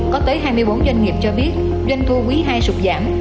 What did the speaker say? có tới hai mươi bốn doanh nghiệp cho biết doanh thu quý ii sụt giảm